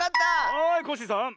はいコッシーさん。